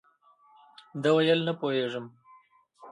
ده ویل، نه پوهېږم.